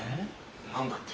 ・何だって？